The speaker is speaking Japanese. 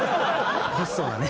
物騒なね。